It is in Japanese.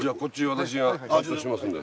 私が担当しますんで。